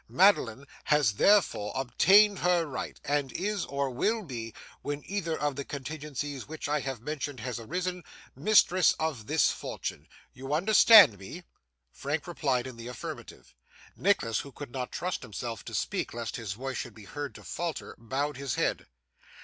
Madeline has therefore obtained her right, and is, or will be, when either of the contingencies which I have mentioned has arisen, mistress of this fortune. You understand me?' Frank replied in the affirmative. Nicholas, who could not trust himself to speak lest his voice should be heard to falter, bowed his head.